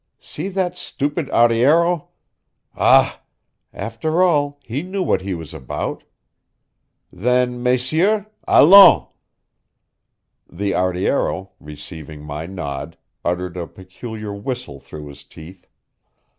See that stupid arriero! Ah! After all, he knew what he was about. Then, messieurs allons!" The arriero, receiving my nod uttered a peculiar whistle through his teeth.